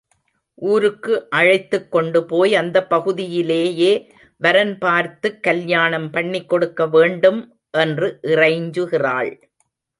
ஊருக்கு அழைத்துக்கொண்டுபோய் அந்தப் பகுதியிலேயே வரன்பார்த்துக் கல்யாணம் பண்ணிக் கொடுக்க வேண்டும்! என்று இறைஞ்சுகிறாள்.